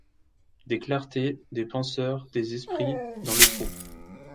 Des clartés, des penseurs, des esprits, dans le trou